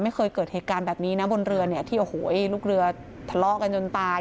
ไม่เคยเกิดเหตุการณ์แบบนี้นะบนเรือเนี่ยที่โอ้โหลูกเรือทะเลาะกันจนตาย